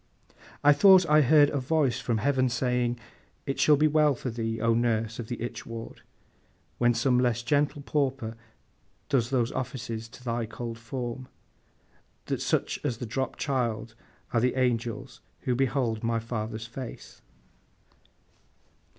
I thought I heard a voice from Heaven saying, It shall be well for thee, O nurse of the itch ward, when some less gentle pauper does those offices to thy cold form, that such as the dropped child are the angels who behold my Father's face!